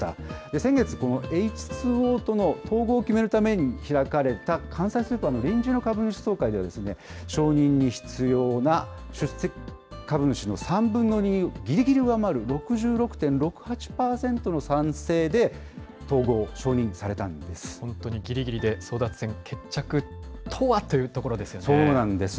先月、このエイチ・ツー・オーとの統合を決めるために開かれた、関西スーパーの臨時の株主総会では、承認に必要な出席株主の３分の２をぎりぎり上回る６６．６８％の賛成で、本当にぎりぎりで争奪戦決着そうなんです。